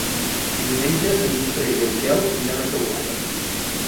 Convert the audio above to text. Diumenge en Guifré i en Quel iran a Teulada.